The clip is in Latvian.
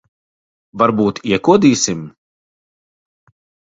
Varbūt iekodīsim?